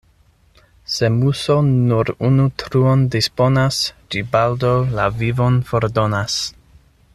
Se muso nur unu truon disponas, ĝi baldaŭ la vivon fordonas.